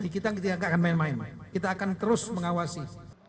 kita tidak akan main main kita akan terus mengawasi